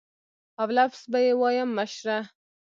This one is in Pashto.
او لفظ به یې وایه مشره.